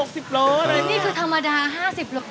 นี่คือธรรมดา๕๐กิโลกรัม